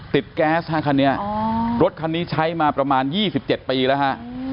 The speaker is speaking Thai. แก๊สฮะคันนี้รถคันนี้ใช้มาประมาณ๒๗ปีแล้วฮะ